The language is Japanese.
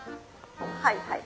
はいはい。